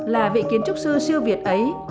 là vị kiến trúc sư siêu việt ấy